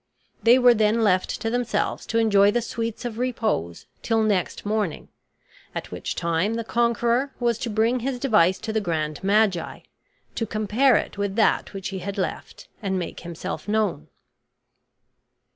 They were then left to themselves to enjoy the sweets of repose till next morning, at which time the conqueror was to bring his device to the grand magi, to compare it with that which he had left, and make himself known.